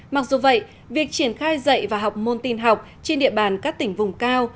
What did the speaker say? mặc dù vậy việc triển khai dạy và học môn tin học trên địa bàn các tỉnh vùng cao